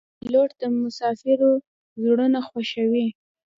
پیلوټ د مسافرو زړونه خوښوي.